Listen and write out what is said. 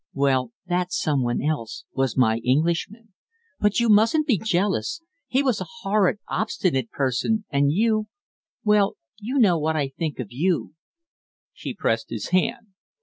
Well, that some one else was my Englishman. But you mustn't be jealous; he was a horrid, obstinate person, and you well, you know what I think of you " She pressed his hand.